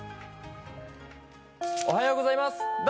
おはようございます。